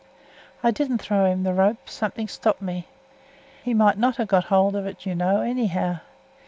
I didn't throw him the rope; something stopped me. He might not have got hold of it, you know, anyhow.